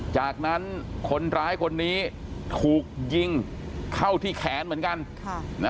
จากนั้นคนร้ายคนนี้ถูกยิงเข้าที่แขนเหมือนกัน